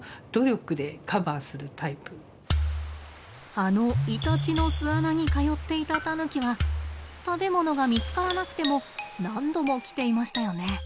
あのイタチの巣穴に通っていたタヌキは食べものが見つからなくても何度も来ていましたよね。